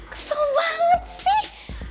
kesel banget sih